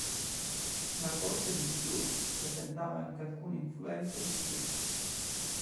La corte di Shu presentava anche alcune influenze Chu.